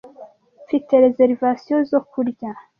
Mfite reservations zo kurya.